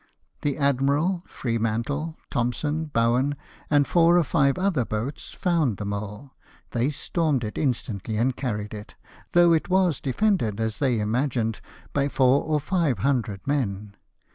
The Admiral, Freemantle, Thompson, Bowen, and four or five other boats, found the mole ; they stormed it instantly and carried it, though it was defended, as they imagined, by four or five hundred men.